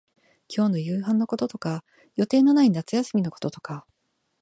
今日の夕飯のこととか、予定のない夏休みのこととか、